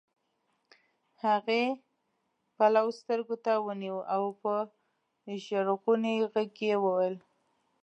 هغې پلو سترګو ته ونيوه او په ژړغوني غږ يې وويل.